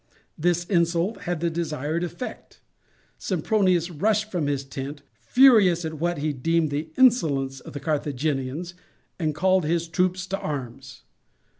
This insult had the desired effect, Sempronius rushed from his tent, furious at what he deemed the insolence of the Carthaginians, and called his troops to arms.